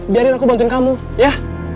biarin aku bantuin kamu ya